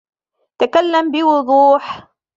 تكلم بوضوح.